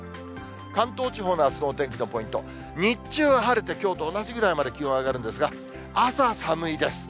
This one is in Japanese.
関東地方のあすのお天気のポイント、日中は晴れてきょうと同じぐらいまで気温上がるんですが、朝寒いです。